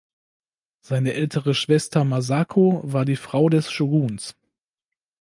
Seine ältere Schwester "Masako" war die Frau des Shoguns.